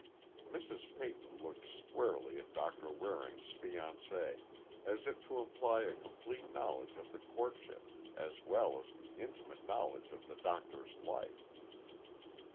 Mrs. Peyton looked squarely at Doctor Waring's fiancee, as if to imply a complete knowledge of the courtship, as well as an intimate knowledge of the Doctor's life.